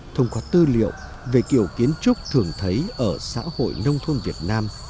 thông qua tư liệu về kiểu kiến trúc thường thấy ở xã hội nông thôn việt nam